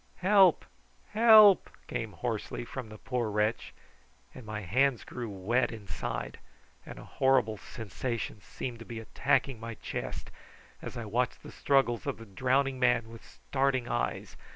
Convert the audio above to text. "Help, help!" came hoarsely from the poor wretch; and my hands grew wet inside, and a horrible sensation seemed to be attacking my chest, as I watched the struggles of the drowning man with starting eyes.